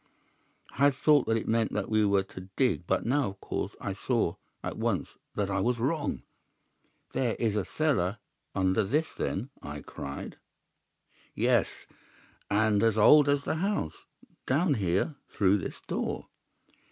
"I had thought that it meant that we were to dig, but now, of course, I saw at once that I was wrong. 'There is a cellar under this then?' I cried. "'Yes, and as old as the house. Down here, through this door.